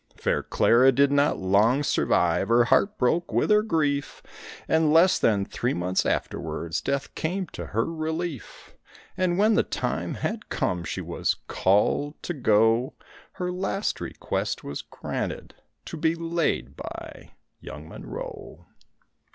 Fair Clara did not long survive, her heart broke with her grief; And less than three months afterwards Death came to her relief; And when the time had come and she was called to go, Her last request was granted, to be laid by young Monroe.